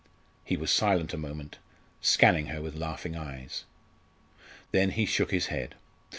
He was silent a moment, scanning her with laughing eyes. Then he shook his head.